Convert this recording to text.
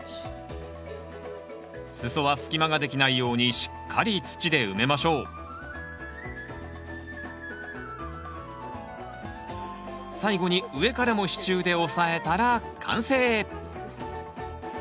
裾は隙間ができないようにしっかり土で埋めましょう最後に上からも支柱で押さえたら完成！